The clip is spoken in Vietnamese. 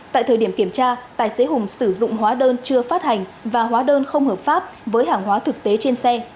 tại thời điểm kiểm tra tài xế hùng sử dụng hóa đơn chưa phát hành và hóa đơn không hợp pháp với hàng hóa thực tế trên xe